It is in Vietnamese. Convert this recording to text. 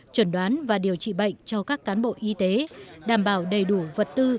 chuẩn đoán và điều trị bệnh cho các cán bộ y tế đảm bảo đầy đủ vật tư